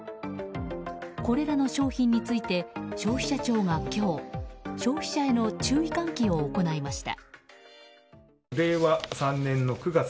これらの商品について消費者庁が今日消費者への注意喚起を行いました。